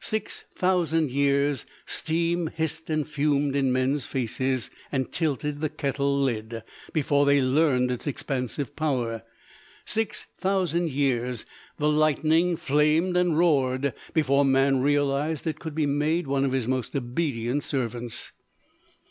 Six thousand years steam hissed and fumed in men's faces, and tilted the kettle lid, before they learned its expansive power. Six thousand years the lightning flamed and roared before man realized it could be made one of his most obedient servants.